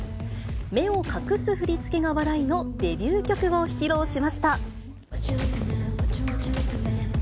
目を隠す振り付けが話題のデビュー曲を披露しました。